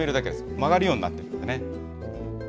曲がるようになってるんですね。